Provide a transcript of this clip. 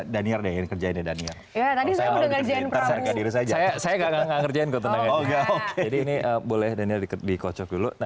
danir kerjain danir danir saja saya saya nggak kerjaan kok jadi ini boleh daniel dikocok dulu